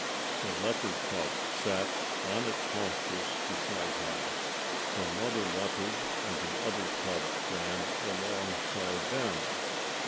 The leopard cub sat on its haunches beside him. The mother leopard and the other cub ran alongside them.